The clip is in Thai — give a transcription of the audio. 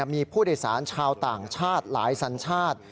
มีผู้โดยสารชาวต่างชาติหลายสัญชาติ